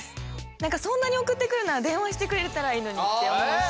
何かそんなに送ってくるなら電話してくれたらいいのにって思うし。